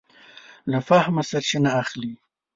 له فهمه سرچینه اخلي.